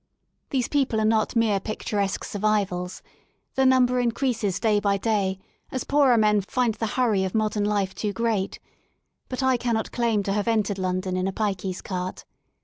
These people are not mere picturesque survivals; their number increases day by day as poorer men find the hurry of modern life too great; but I cannot claim to have entered London in a pikey's cart.